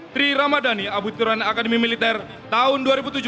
tri ramadhani abuturan akademi militer tahun dua ribu tujuh belas